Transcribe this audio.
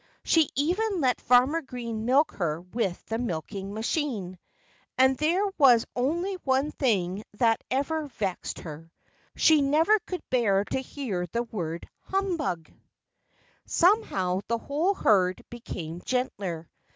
She even let Farmer Green milk her with the milking machine. And there was only one thing that ever vexed her. She never could bear to hear the word humbug. Somehow the whole herd became gentler.